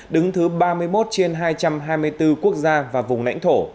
đứng thứ ba mươi một trên hai trăm hai mươi bốn quốc gia và vùng lãnh thổ